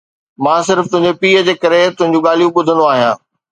مان صرف تنهنجي پيءُ جي ڪري تنهنجون ڳالهيون ٻڌندو آهيان